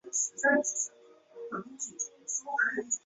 奥兰卡国家公园面积。